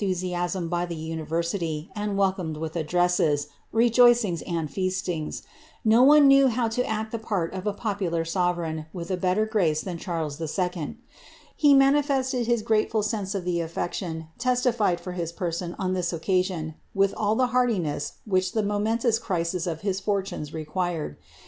3S1 lusiasm by the university, and welcomed with addresses, ftod feasts. No one knew how to act the part of a populai with a better grace than Charles ]f. He manifested his grate of tlie affection testified for his person on this occasion, with irtiness which the momentous crisis of his fortunes required.